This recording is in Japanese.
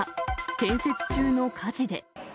建設中の火事で。